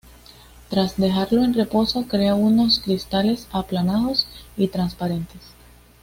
Tras dejarlo en reposo, crea unos cristales aplanados y transparentes.